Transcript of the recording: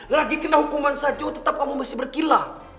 lagi kena hukuman saja tetap kamu masih berkila